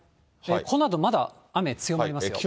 このあと、まだ雨強まります。